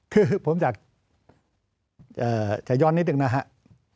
คือผมอยากจะย้อนนิดนึงนะครับ